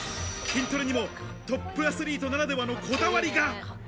筋トレにもトップアスリートならではのこだわりが。